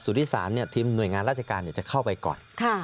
สุธิศาลเนี่ยทีมหน่วยงานราชการจะเข้าไปก่อน